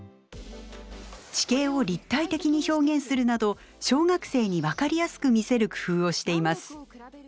地形を立体的に表現するなど小学生に分かりやすく見せる工夫をしています。